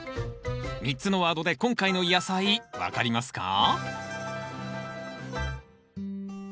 ３つのワードで今回の野菜分かりますか？